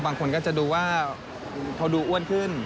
บางคนก็จะดูว่าเขาดูอ้วนขึ้น